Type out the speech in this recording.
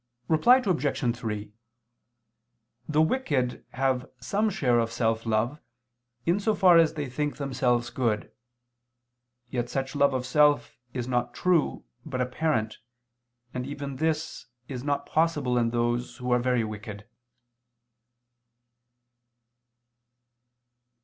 Reply Obj. 3: The wicked have some share of self love, in so far as they think themselves good. Yet such love of self is not true but apparent: and even this is not possible in those who are very wicked.